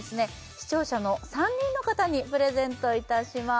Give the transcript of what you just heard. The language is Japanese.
視聴者の３人の方にプレゼントいたします